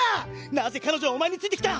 なぜ彼女はお前についてきた？